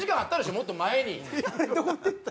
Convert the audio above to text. もっと前に。